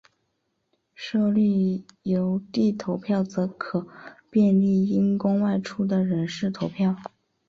设立邮递投票则可便利因公外出的人士投票。